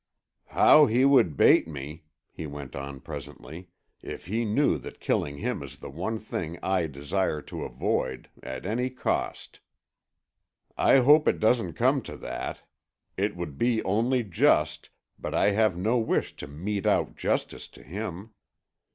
"How he would bait me," he went on presently, "if he knew that killing him is the one thing I desire to avoid, at any cost! I hope it doesn't come to that. It would be only just, but I have no wish to mete out justice to him.